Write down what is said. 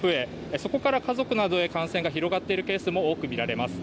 そこから家族などへ感染が広がっているケースも多く見られます。